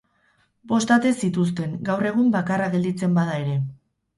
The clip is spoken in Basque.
Bost ate zituzten, gaur egun bakarra gelditzen bada ere.